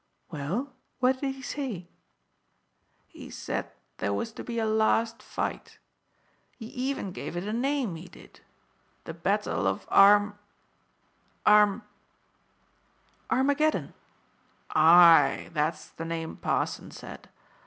"Well, what did he say?" "He said there was to be a last fight. He even gave it a name, he did. The battle of Arm Arm " "Armageddon." "Aye, that's the name parson said.